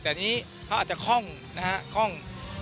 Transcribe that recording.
แต่นี่เขาอาจจะคล่อง